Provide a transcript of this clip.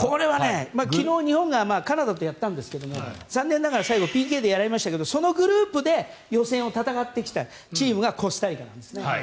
昨日、日本がカナダとやったんですけど残念ながら最後にＰＫでやられましたがそのグループで予選を戦ってきたチームがコスタリカなんですね。